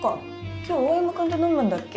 今日大山くんと飲むんだっけ？